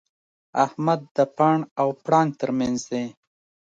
احمد د پاڼ او پړانګ تر منځ دی.